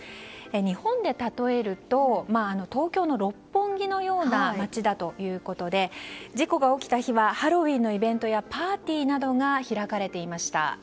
日本でたとえると東京の六本木のような街だということで事故が起きた日はハロウィーンのイベントやパーティーなどが開かれていました。